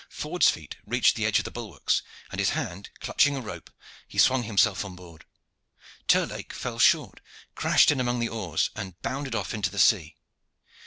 Ford's feet reached the edge of the bulwarks, and his hand clutching a rope he swung himself on board. Terlake fell short, crashed in among the oars, and bounded off into the sea.